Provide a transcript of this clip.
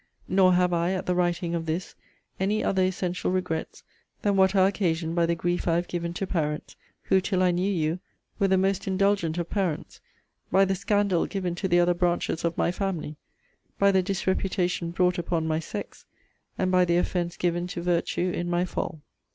Nor have I, at the writing of this, any other essential regrets than what are occasioned by the grief I have given to parents, who, till I knew you, were the most indulgent of parents; by the scandal given to the other branches of my family; by the disreputation brought upon my sex; and by the offence given to virtue in my fall.